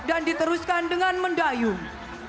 dan diteruskan dengan mendayung